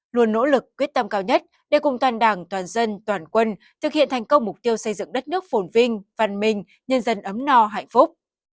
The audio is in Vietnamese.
luôn nỗ lực quyết tâm cao nhất để cùng toàn đảng toàn dân toàn quân thực hiện thành công mục tiêu xây dựng đất nước phồn vinh văn minh nhân dân ấm no hạnh phúc